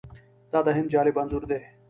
دا د هند جالب انځور دی.